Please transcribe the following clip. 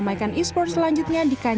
baik tim pro maupun tim amatil dengan pemain